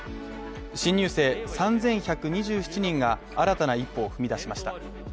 新入生３１２７人が新たな一歩を踏み出しました。